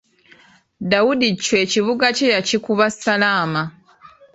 Dawudi Chwa ekibuga kye yakikuba Ssalaama.